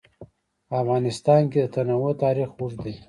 په افغانستان کې د تنوع تاریخ اوږد دی.